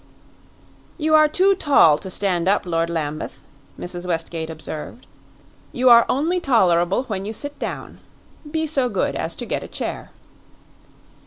"You are too tall to stand up, Lord Lambeth," Mrs. Westgate observed. "You are only tolerable when you sit down. Be so good as to get a chair."